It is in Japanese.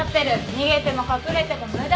逃げても隠れても無駄。